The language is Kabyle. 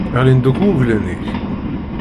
Ɣlin-d akk wuglan-ik.